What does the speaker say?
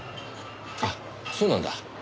あっそうなんだ。